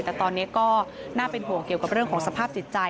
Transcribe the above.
แต่ตอนนี้ก็น่าเป็นห่วงเกี่ยวกับเรื่องของสภาพจิตใจ